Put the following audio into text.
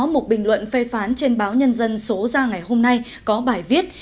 một bình luận phê phán trên báo nhân dân số ra ngày hôm nay có bài viết